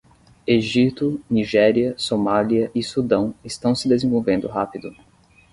Egito, Nigéria, Somália e Sudão estão se desenvolvendo rápido